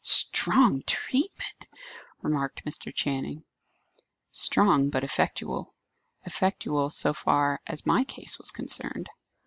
"Strong treatment!" remarked Mr. Channing. "Strong, but effectual. Effectual, so far as my case was concerned.